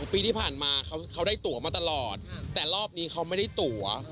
ปีที่ผ่านมาเขาได้ตัวมาตลอดแต่รอบนี้เขาไม่ได้ตัว